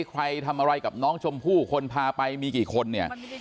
ใครทำอะไรกับน้องชมพู่คนพาไปมีกี่คนเนี่ย